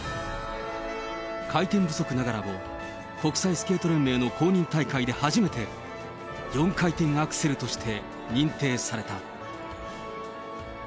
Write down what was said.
回転不足ながらも、国際スケート連盟の公認大会で初めて４回転アクセルとして認定された。